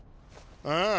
ああ。